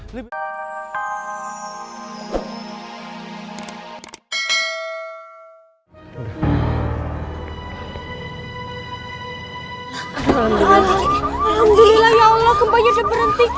alhamdulillah ya allah kembangnya udah berhenti